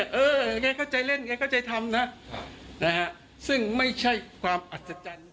เออไงเข้าใจเล่นไงเข้าใจทำนะซึ่งไม่ใช่ความอัศจรรย์